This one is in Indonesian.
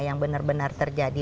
yang benar benar terjadi